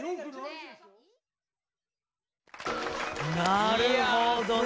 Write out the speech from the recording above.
なるほど！